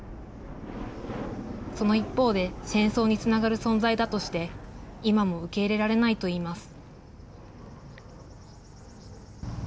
その一方で、戦争につながる存在だとして、今も受け入れられないといいます。